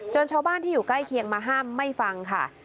ชาวบ้านที่อยู่ใกล้เคียงมาห้ามไม่ฟังค่ะ